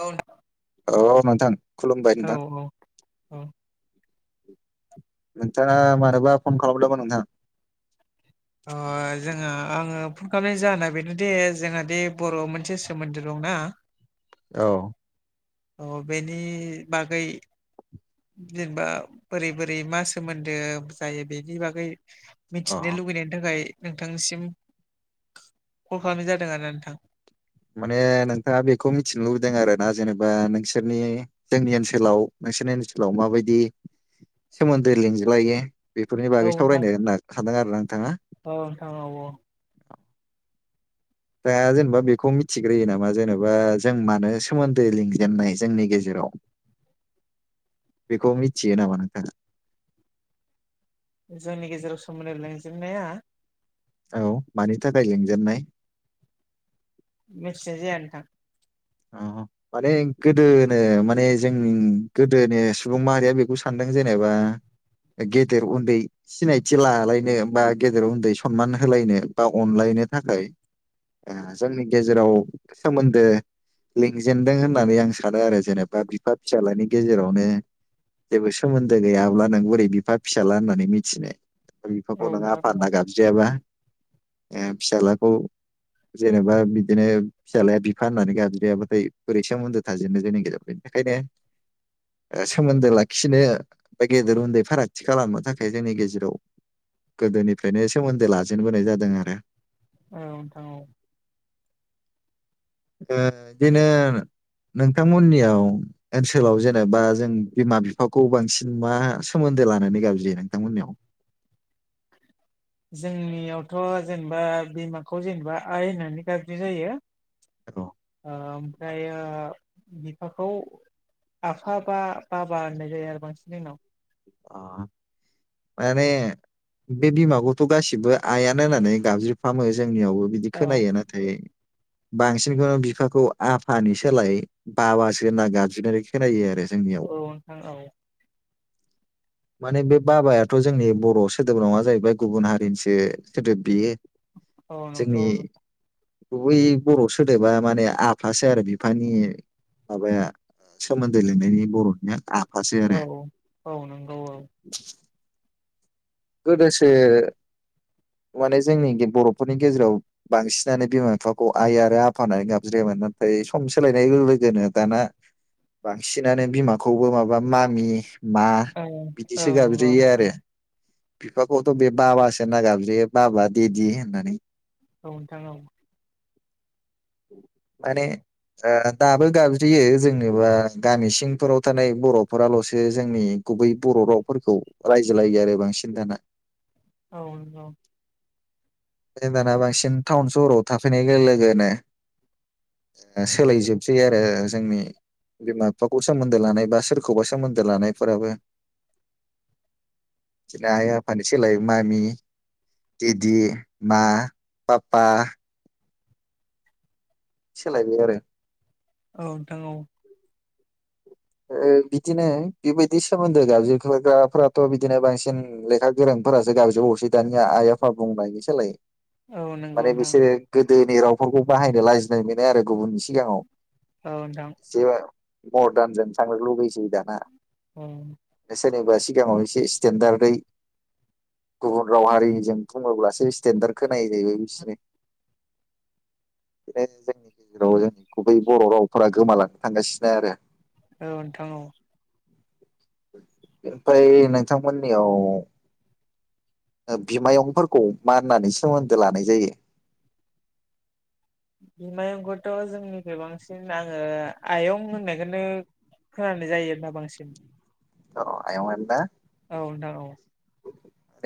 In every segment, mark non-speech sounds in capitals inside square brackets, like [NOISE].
ओ औ नोंथां खुलुमबाय नोंथां औ नोंथाङा मानोबा फन खालामदोंमोन नोंथां अ जोंहा आङो फन खालामनाय जाहोना बेनोदि जोंहादि बर'आव मोनसे सोमोन्दो दंना औ अ बेनि बागै जेनेबा बोरै बोरै मा सोमोन्दो जायो बेनि बागै मिथिनो अ लुुबैनायनि थाखाय नोंथांसिम कल खालामनाय जादों आरोना नोंथां माने नोंथाङा बेखौ मिथिनो लुबैदों आरो ना जेनेबा नोंसोरनि जोंनि ओनसोलाव नोंसोरनि ओनसोलाव माबायदि सोमोन्दो लिंज्लायो बेफोरनि औ बागै नोंथां सावरायनो होनना सानदों आरोना नोंथाङा औ नोंथां औ दा जेनेबा बेखौ मिथिग्रोयो नामा जेन'बा जों मानो सोमोन्दो लिंजेननाय जोंनि गेजेराव बेखौ मिथियो नामा नोंथाङा जोंनि गेजेराव सोमोन्दै लेंजेननाया औ मानि थाखाय लेंजेननाय मिथिनाय जाया नोथां औ माने गोदोनो माने जोंनि गोदोनि सुबुं माहारिया बेखौ सानदों जेनेबा गेदेर उन्दै सिनायथि लालायनो बा गेदेर उन्दै सनमान होलायनो बा अनलायनो थाखाय जोंनि गेजेराव सोमोन्दो लिंजेनदों होननानै आं सानो आरो जेनेबा बिफा फिसालानि गेजेरावनो जेबो सोमोन्दो गैयाब्ला नों बोरै बिफा फिसाला होननानै मिथिनो औ बिफाखौ नों नोंथां आफा औ होनना गाबज्रियो आरोना फिसालाखौ जेनेबा बिदिनो फिसालाया बिफा होननानै गाब ज्रिया बाथाय बोरै सोमोनदो थाजेननो जोंनि गेजेराव बेनिखायनो ओ सोमोन्दो लाखिनो बा गेदेर उन्दै फारागथि खालामनो थाखाय जोंनि गेजेराव गोदोनिफ्रायनो सोमोन्दो लाजेनबोनाय जादों आरो औ नोंथां औ ओ बिदिनो नोंथांमोननियाव ओनसोलाव जेनेबा जों बिमा बिफाखौ बांसिन मा सोमोन्दो लानानै गाबज्रियो नोंथांमोननियाव [INAUDIBLE] जोंनियावथ' जेनेबा बिमाखौ जेनेबा आइ होननानै गाबज्रिनाय जायो औ ओ ओमफ्रायो बिफाखौ आफा बा बाबा होननाय जायो आरो बांसिन जोंनाव अ माने बे बिमाखौथ' गासिबो आयानो होननानै गाबज्रि फ्रामो जोंनियावबो बिदि औ खोनायो नाथाय बांसिनखौनो बिफाखौ आफानि सोलाय बाबासो होनना गाबज्रिनाय खोनायो आरो जोंनियाव औ नोंथां औ माने बे बाबायाथ' जोंनि बर' सोदोब नंङा जाहैबाय गुबुन हारिनिसो सोदोब बियो औ नंगौ जोंनि बै बर' सोदोबा माने आफासै आरो बिफानि माबाया सोमोन्दो लिरनायनि बर'निया आफासै आरो औ औ नंगौ औ [INAUDIBLE] गोदोसो माने जोंनि बर'फोरनि गेजेराव बांसिनानो बिमा बिफाखौ आइ आरो आफा होननानै गाबज्रिायामोन नाथाय सम सोलायनाय लोगोनो दाना बांसिनानो बिमाखौबो माबा मामि मा औ बिदिसो औ नंगौ गाबज्रियो औ आरो बिफाखौथ' बे बाबासो गाबज्रियो बाबा देदि होननानै औ नोंथां औ माने दाबो गाबज्रियो जोंनोबा गामि सिंफोराव थानाय बर'फोराल'सो जोंनि गुबै बर' रावफोरखौ रायज्लायो आरो बांसिन दाना औ औ दाना बांसिन टाउन सहराव थाफैनाय लोगो लोगोनो सोलायजोबसै आरो जोंनि बिमा बिफाखौ सोमोन्दो लानाय बा सोरखौबा सोमोन्दो लानायफोराबो बिदिनो आइ आफानि सोलाय मामि दिदि मा पपा सोलायबाय आरो औ नोंथां औ। बिदिनो बेबायदि सोमोन्दो गाबज्रिखोग्राफोराथ' बिदिनो बांसिन लेखा गोरोंफोरासो गाबजोबावसै दानिया आइ आफा बुंनायनि सलाय औ नंगौ माने नोंथां बिसोरो। गोदोनि रावफोरखौ बाहायनो लाजिनाय मोनो आरो गुबुननि सिगाङाव औ नोंथां। से मदार्नजों थांनो लुुबैसै दाना उम सोरनिबा सिगांङाव एसे स्टेेनडार्दै गुबुन राव हारिजों बुंङोब्लासो स्टेेनडार्ड खोन जाहैबाय बिसोरो बिनो जोंनि गेजेराव जोंनि गुबै बर' रावफोरा गोमालांनो थांगासिनो आरो औ नोंथां औ। ओमफ्राय नोंथांमोननियाव बिमायंफोरखौ माननानै सोमोन्दो लानाय जायो। बिमायंखौथ' जोंनिफ्राय बांसिन आङो आयं होननायखौनो खोनानाय जायोना बांसिन औ आयं दा औ नोंथां औ।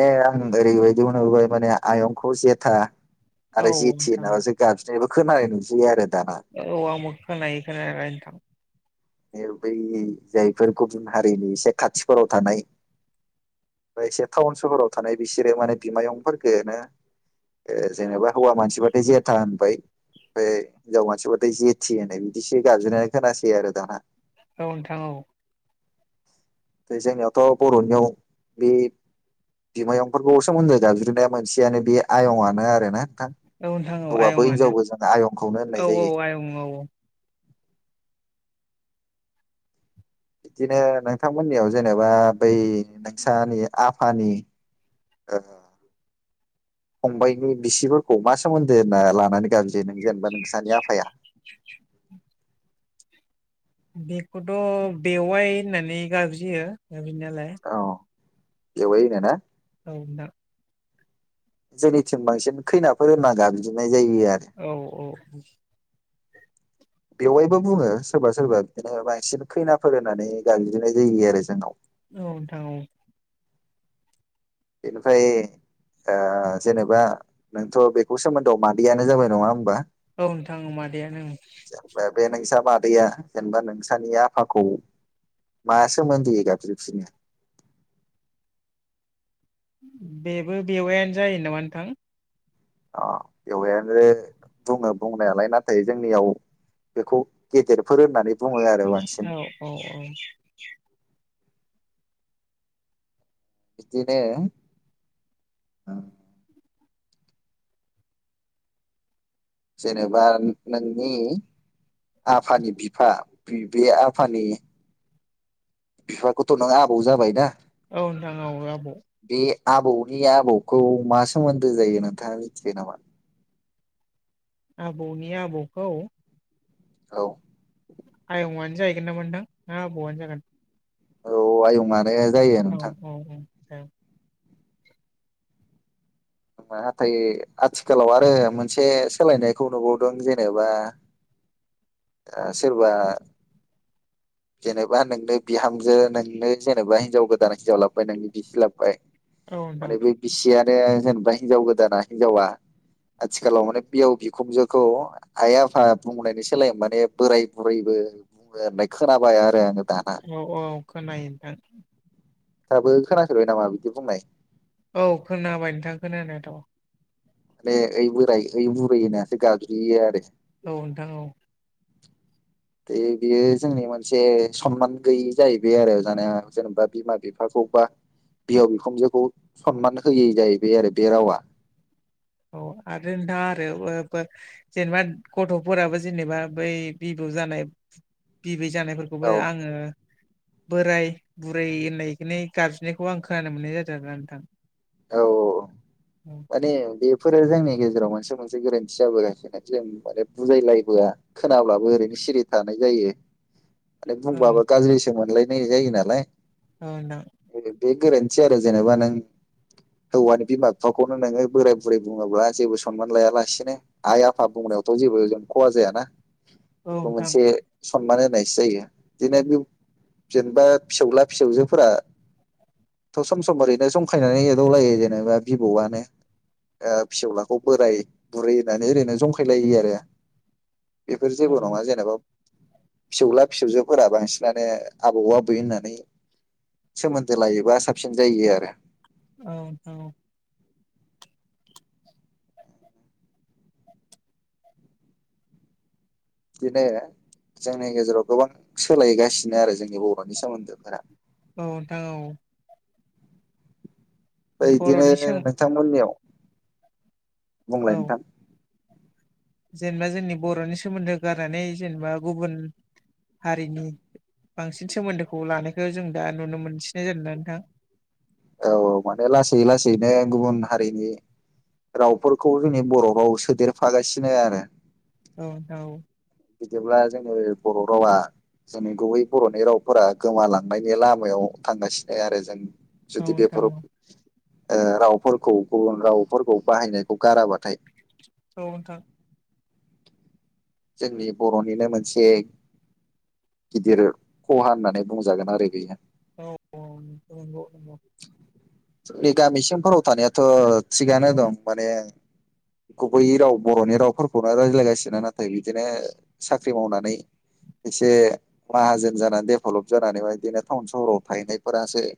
आं ओरैबायदिनोाय माने आयं जेथा औ आरो जेथि नोंथां औ नाबासो गाबज्रिनायबो खोनानाय नुसयो आरो दाना औ आो खोनायो खोनायालाय थां बै जायफोर गुबुन हारिनि एसे खाथिफोराव थानाय। मफ्राय एसे टाउन सहराव थानाय बिसोरो माने बिमायंफोरफोरखौनो जेनेबा हौवा मानसिबथाय जेथा होनबाय ओमफ्राय हिनजाव मानसिफोरथ' जेथि होननाय बिदिसो गाबज्रिनानै खोनासै आरो दाना औ नोंथां औ। जोंनियावथ' बर'नियाव बे बिमायंफोरखौसो सोमोनदो गाबज्रिनाया मोनसेयानो बे आयंआनो आरो ना नोंथां। औ नोंथां औ हौवाबो आयंआनो हिनजावबो जोङो आयंखौनो औ होननाय औ जायो। औ औ। बिदिनो नोंथांमोननियाव जेनेबा बै नोंसानि आफानि फंबाइनि बिसिफोरखौ मा सोमोन्दो होनना लानानै गाब जे नों जेनेबा नोंसानि आफाया बेखौथ' बेवाइ होननानै गाब्रियो गाबज्रिनायालाय औ बेवाय होनो ना औ नोंथां। जोंनिथिं बांसिन खैनाफोर होनना गाबजोबनाय जायो आरो औ औ औ। [INAUDIBLE] बेवायबो बुङो सोरबा सोरबा बिदिनो बांसिन खैनाफोर होननानै गागज्रिनाय जायो आरो जोंनाव औ नोंथां औ। बिनिफ्राय जेनेबा नोंथ' बेखौ सोमोन्दोआव मादैयानो जाबाय नङा होमबा? औ नोंथाङो मादैयानो जेनबा बे नोंस मादैया जेनेबा नोंसानि आफाखौ मा सोमोन्दोयै गाबज्रियो बिसिनिया बेबो बेवाइयानो जायो नामा नोंथां? अ बेवहाय आरो बुङो बुंनायालाय नाथाय जोंनियाव बेखौ गेदेरफोर होननानै बुङो आरो आं औ औ औ। बिदिनो जेनेबा नोंनि आफानि बिफा बे आफानि बिफारखौथ' नों आबौ जाबायना। औ नोंथां औ आबौ। बे आबौनि आबौखौ मा सोमोन्दो जायो नोंथाङा मिथियो नामा? आबौनि आबौखौ औ। आयङानो जाहैगोन नामा नोंथां ना आबौवानो जागोन। औ आयं आ जायो। औ नोंथां औ औ औ। नाथाय आथिखालाव आरो मोनसे सोलायनायखौ नुबावदों जेनेबा ओ सोरबा जेनेबा नोंनो बिहामजो नोंनो जेनेबा हिनजाव गोदान हिनजाव लाबोबाय नोंनो बिसि लाबबाय औ नोंथां माने बे बिसियानो जेनेबा हिनजाव गोदाना हिनजावा आथिखालाव माने बिह बिखुंजोखौ आइ आफा बुंनायनि सोलाय माने बोराय बुरैबो होननाय खोनाबाय आरो आङो दाना। औ औ खोनायो नोंथां दाब खोनासोबाय नामा बिदि बुंनाय। औ खोनाबाय नोंथाङा खोनानायाथ' माने ओइ बोराय ओइ बुरैसो गाज्रियो आरो। औ नोंथां औ। द बियो जोंनि मोनसे सनमान गैयि जाहैबाय आरो जानाया जेनेबा बिमा बिफाखौबा बिहाव बिखुनजोखौ सनमान होयै जाहैबाय आरो बे रावा अ आरो दा आरो जेनेबा गथ'फोराबो जेनेबा बै बिबौ जानाय बिबै जानायफोरखौ औ बेखौ आङो बोराय बुरै होननायखनो गाबज्रिनायखौ आं खोनानो मोननाय जादों आरा नोंथां। औ औ मान बे फोरो जोंनि गेजेराव मोनसे मोनसे गोरोन्थि जाबोगासिनो जों माने बुजायलायबोआ खोनाब्लाबो ओरैनो सिरि थानाय जायो मान औ बुंबाबो नोंथां गाज्रि मोनलायनाय जायो नालाय ओ नोंथां बबे बे गोरोन्थि आरो जेनेबा नों हौवानि बिमा बिफाखौनो नोङो बोराय बुरै बुङोब्ला जेबो सनमान लायालासिनो आइ आफा बुंनायावथ' जेबो खहा जायाना बेखौ नोंथां मोनसे सनमान होनायसो जायो बिदिनो बे जेनेबा फिसौला फिसौजोफोरा सम ओरैनो संखायनानै एदावलायो जेनेबा बिब'आनो ओ फिसौलाखौ बोराय बुरि होननानै ओरैनो जंखायलायो आरो बेफोर औ जेबो नङा जेनेबा फिसौला फिसौजोफोरा बांसिनानो आबौ आबै होननानै सोमोन्दो लायोबा साबसिन जायो आरो औ नोंथां औ बिदिनो जोंनि गेजेराव गोबां सोलायगासिनो आरो जोंनि बर'नि सोमोन्दोफोरा औ नोंथां औ बैदिनो बर'नि सोम नोंथांमोननियाव बुंलाय औ नोंथां जेनेबा जोंनि बर'नि सोमोन्दो गारनानै जेनेबा गुबुन हारिनि बांसिन सोमोन्दोखौ लानायखौ जों दा नुनो मोनसिननाय जादों ना नोंथां औ औ माने लासै लासैनो गुबुन हारिनि रावफोरखौ जोंनि बर' राव सोदेरफागासिनो आरो औ नोंथां औ बिदिब्ला जोंनि बर' रावा जोंनि गुबै बर'नि रावफोरा गोमालांनायनि लामायाव थांगासिनो आरो जों जुदि नोंथां बेफोर औ रावफोरखौ गुबुन रावफोरखौ बाहायनायखौ गाराबाथाय औ नोंथां जोंनि बर'निनो मोनसे गिदिर खहा होननानै बुंजागोन आरो बेयो औ औ नंगौ नंगौ गामिसिंफोराव थानायाथ' थिगानो दं माने गुबैयै राव बर'नि रावफोरखौनो रायज्लायगासिनो ना नाथाय बिदिनो साख्रि मावनानै एसे माहाजोन जानानै डेभेलप जानानै बिदिनो टाउन सहराव थाहैनायफोरासो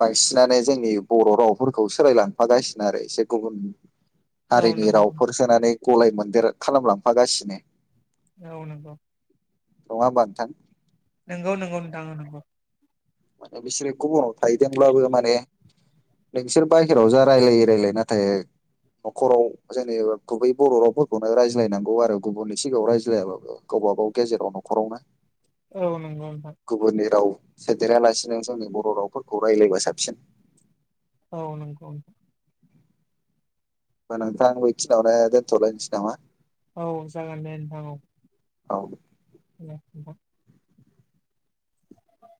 बांसिनानो जोंनि बर' रावफोरखौ सोलायलांफागासिनो आरो एसे गुबुन औ हारिनि नंगौ रावफोर सोनानै गलाय मोनदेर खालामलांफागासिनो औ नंगौ नङा होमबा नोंथां नंगौ नंगौ नोंथां नंगौ माने बिसोरोखौ गुबुनाव थाहदोंब्लाबो माने नोंसोर बाहेरायाव जा रायलायो रायलाय नाथाय न'खराव जेनेबा गुबै बर' रावफोरखौनो रायज्लायनांगौ आरो गुबुननि सिगाङाव रायज्लायाबाबो गावबा गाव गेजेराव न'खरावनो औ नंगौ नोंथां गुबुननि राव सोदेरालासिनो जोंनि बर' रावफोरखौ रायलायबा साबसिन औ नंगौ नोंथां होमबा नोंथां बे खिनावनो दोनथ'लायनोसै नामा औ जागोन दे नोंथां औ औ दे नोंथां [INAUDIBLE]